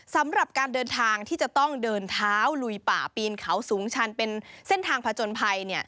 สำหรับการเดินทางที่จะต้องเดินเท้าลุยป่าปีนเขาสูงชันเป็นเส้นทางผจญภัย